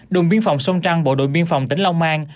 đồn biên phòng sông trăng bộ đội biên phòng tỉnh long an